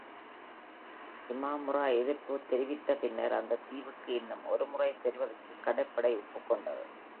இமாமுரா எதிர்ப்பு தெரிவித்த பின்னர், அந்தத் தீவுக்கு இன்னும் ஒருமுறை செல்வதற்கு கடற்படை ஒப்புக்கொண்டது.